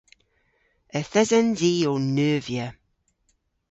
Yth esens i ow neuvya.